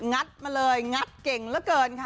งัดมาเลยงัดเก่งละเกินค่ะ